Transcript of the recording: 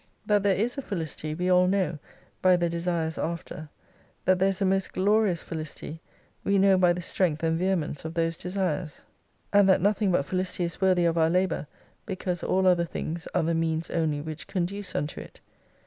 That there is a Felicity, we all know by the desires after, that there is a most glorious Felicity we know by the strength and vehemence of those desires. And that nothing but Felicity is worthy of our labour, because all other things are the means only which conduce unto it.